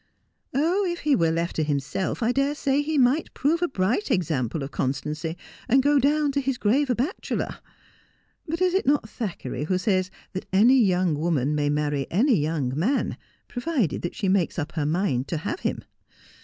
' Oh, if he were left to himself, I dare say he might prove a bright example of constancy, and go down to his grave a bachelor. But is it not Thackeray who says that any young woman may marry any young man, provided that she makes up her mind to have him